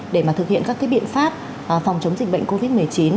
để mà thực hiện các biện pháp phòng chống dịch bệnh covid một mươi chín